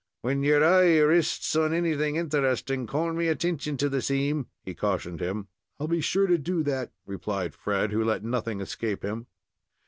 "When your eye rists on anything interesting, call me attention to the same," he cautioned him. "I'll be sure to do that," replied Fred, who let nothing escape him.